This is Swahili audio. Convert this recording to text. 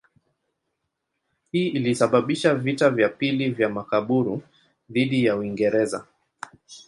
Hii ilisababisha vita vya pili vya Makaburu dhidi ya Uingereza.